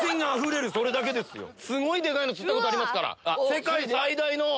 すごいでかいの釣ったことありますから。